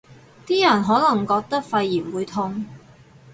啲人可能覺得肺炎會痛